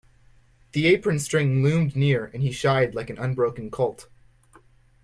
The apron string loomed near and he shied like an unbroken colt.